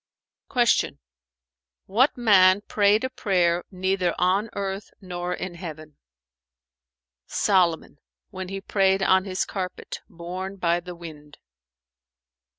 Q "What man prayed a prayer neither on earth nor in heaven?" "Solomon, when he prayed on his carpet, borne by the wind."